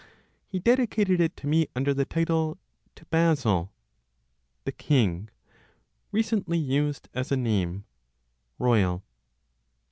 He dedicated it to me under the title, "To Basil" (the King, recently used as a name, "Royal").